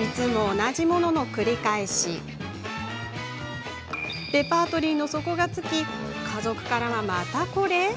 いつも同じものの繰り返しレパートリーの底が尽き家族からは「またこれ？」。